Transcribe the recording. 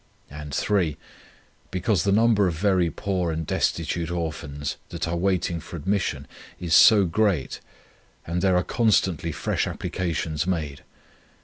And (3) because the number of very poor and destitute Orphans, that are waiting for admission, is so great, and there are constantly fresh applications made.